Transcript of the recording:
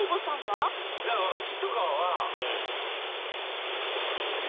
わしとかは。